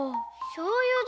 しょうゆ！